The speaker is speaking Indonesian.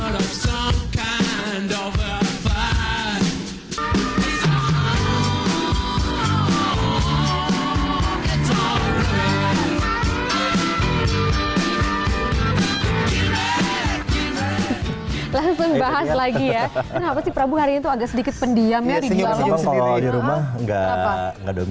langsung bahas lagi ya enggak pasti prabowo hari itu agak sedikit pendiamnya di dalam